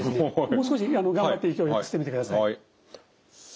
もう少し頑張って勢いよく吸ってみてください。